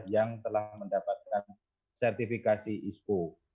yang telah mendapatkan sertifikasi ispo